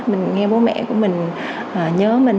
mình nghe bố mẹ của mình nhớ mình